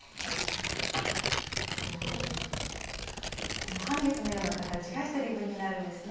この半月のような形が１人分になるんですね。